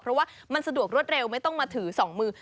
เพราะว่ามันสะดวกรวดเร็วไม่ต้องมาถือสองมือ